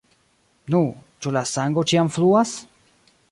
Nu, ĉu la sango ĉiam fluas?